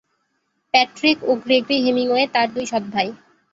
Patrick ও Gregory Hemingway তার দুই সৎ ভাই।